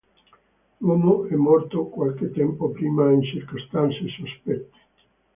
L'uomo è morto qualche tempo prima in circostanze sospette.